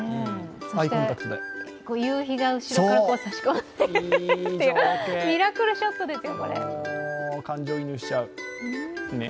そして、夕日が後ろから差し込んでミラクルショットですよ。